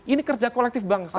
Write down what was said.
ini kerja kolektif bangsa